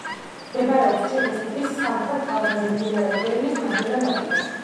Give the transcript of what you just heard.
მდებარეობს ჩიხის მთის სამხრეთ კალთაზე, მდინარე ყვირილის მარჯვენა ნაპირას.